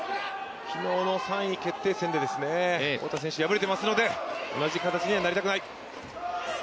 昨日の３位決定戦で、太田選手敗れていますので同じ形にはなりたくない。